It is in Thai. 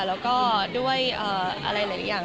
แล้วก็ด้วยอะไรหลายอย่าง